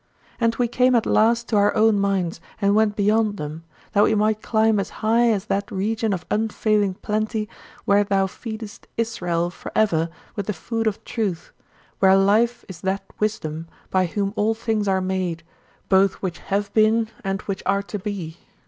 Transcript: And we came at last to our own minds and went beyond them, that we might climb as high as that region of unfailing plenty where thou feedest Israel forever with the food of truth, where life is that Wisdom by whom all things are made, both which have been and which are to be.